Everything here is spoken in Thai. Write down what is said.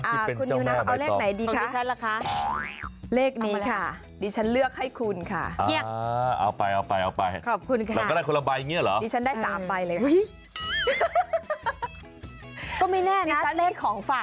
เขียนชื่อใครคะชื่อดิฉันอ่ะ